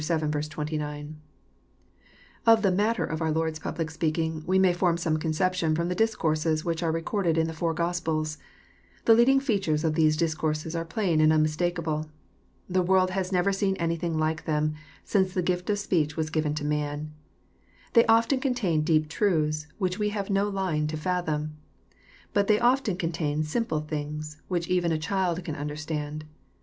vii. 29.) Of the matter of our Lord's public speaking, we may form some conception from the discourses which are recorded in the four Gospels. The leading features of these discourses are plain and unmistakable. The world has never seen anything like them, since the gifk of speech was given to man. They often contain deep truths, which we have no line to fathom. But they often contain simple things, which even a child can understand.